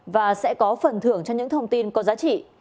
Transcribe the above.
và sẽ có phần thưởng cho những thông tin có giá trị